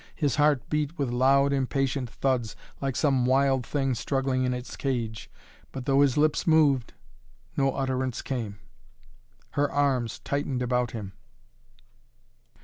His heart beat with loud, impatient thuds, like some wild thing struggling in its cage, but though his lips moved, no utterance came. Her arms tightened about him.